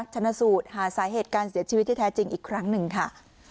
ชนะสูตรหาสาเหตุการเสียชีวิตที่แท้จริงอีกครั้งหนึ่งค่ะ